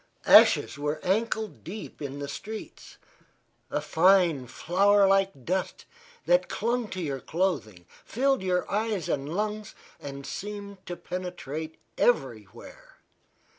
Ashes were ankle deep in the streets a fine, flour like dust that clung to your clothing, filled your eyes and lungs and seemed to penetrate everywhere.